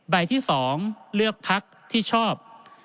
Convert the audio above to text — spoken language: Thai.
ใบที่๒เลือกพักที่ชอบ